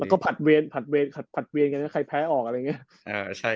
แล้วก็ผัดเวนกันถึงใครแพ้ออกอะไรอย่างงี้